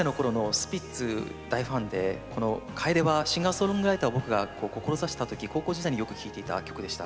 スピッツの大ファンで「楓」はシンガーソングライターを志した高校時代によく聴いていた曲でした。